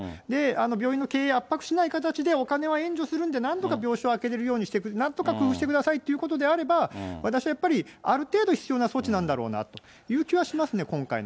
病院の経営を圧迫しない形で、お金は援助するんで、なんとか病床を空けれるように、なんとか工夫してくださいということであれば、私はやっぱり、ある程度必要な措置なんだろうなという気はしますね、今回の。